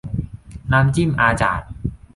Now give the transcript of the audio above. น้ำจิ้มอาจาด